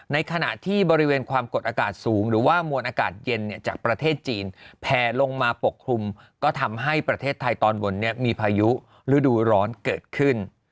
ในขณะที่บริเวณความกดอากาศสูงหรือว่ามวลอากาศเย็นจากประเทศจีนแพลลงมาปกคลุมก็ทำให้ประเทศไทยตอนบนมีพายุฤดูร้อนเกิดขึ้น